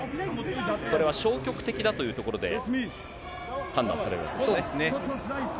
これは消極的だというところで、判断をされるわけですね。